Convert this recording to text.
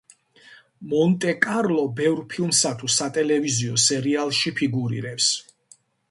მონტე-კარლო ბევრ ფილმსა თუ სატელევიზიო სერიალში ფიგურირებს.